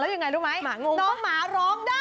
ยังไงรู้ไหมน้องหมาร้องได้